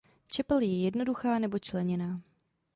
Čepel je jednoduchá nebo členěná.